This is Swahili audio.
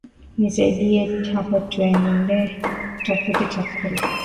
Nisaidie hapa tuende tutafute chakula